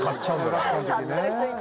中学校の時ね。